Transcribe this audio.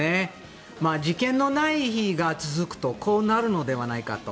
事件のない日が続くとこうなるのではないかと。